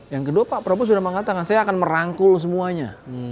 yang kedua pak prabowo sudah mengatakan saya akan merangkul semuanya